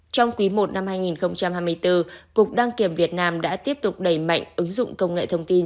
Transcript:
trong quý i năm hai nghìn hai mươi bốn cục đăng kiểm việt nam đã tiếp tục đẩy mạnh ứng dụng công nghệ thông tin